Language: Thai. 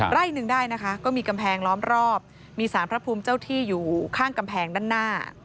ไร่หนึ่งได้นะคะก็มีกำแพงล้อมรอบมีสารพระภูมิเจ้าที่อยู่ข้างกำแพงด้านหน้า